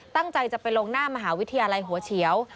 ตั้งใจจะไปลงหน้ามหาวิทยาลัยหัวเฉียว